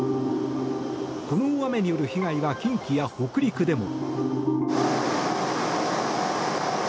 この大雨による被害は近畿や北陸でも。